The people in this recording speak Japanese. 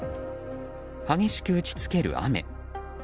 激しく打ち付ける雨。